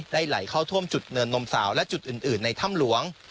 ไหลเข้าท่วมจุดเนินนมสาวและจุดอื่นในถ้ำหลวง